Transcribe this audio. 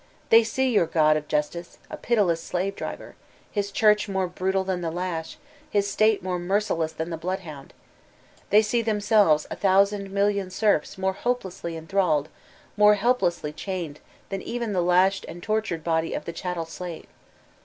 They see your God of justice a pitiless slave driver, his Church more brutal dian the lash, his State more merciless than the bloodhound ; they see themselves a thousand million serfs more hopelessly enthralled, more helplessly chamed down dian e'en tbe lashed and tortured body of the chattel slave.